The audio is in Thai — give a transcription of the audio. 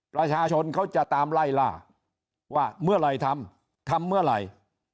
ประชาชนเขาจะตามไล่ล่าว่าเมื่อไหร่ทำทำเมื่อไหร่